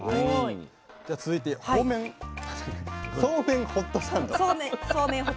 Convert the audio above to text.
では続いてそうめんホットサンドどうぞ。